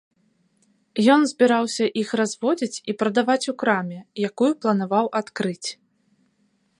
Ён збіраўся іх разводзіць і прадаваць у краме, якую планаваў адкрыць.